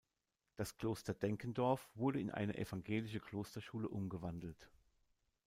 Das Kloster Denkendorf wurde in eine evangelische Klosterschule umgewandelt.